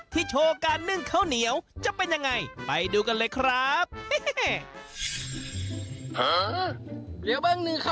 โชว์การนึ่งข้าวเหนียวจะเป็นยังไงไปดูกันเลยครับ